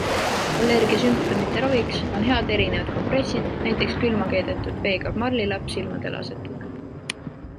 Allergia sümptomite raviks on head erinevad kompressid, näiteks külma keedetud veega marlilapp silmadele asetada.